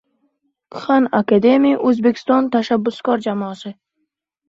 Khan Akademy O‘zbek tashabbuskor jamoasi